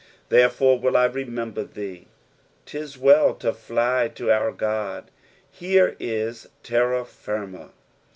^'Therefore will I rememier (A«." *Tis well to fly to our God. Here ia terra flrma.